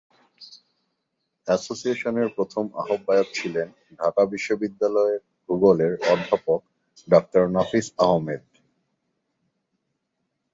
এসোসিয়েশনের প্রথম আহ্বায়ক ছিলেন ঢাকা বিশ্ববিদ্যালয়ের ভূগোলের অধ্যাপক ডাক্তার নাফিস আহমেদ।